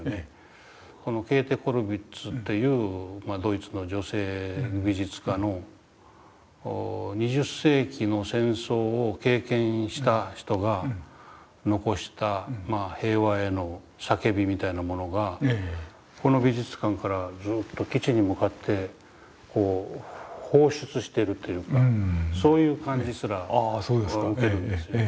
このケーテ・コルヴィッツというドイツの女性の美術家の２０世紀の戦争を経験した人が残した平和への叫びみたいなものがこの美術館からずっと基地に向かってこう放出してるというかそういう感じすら受けるんですね。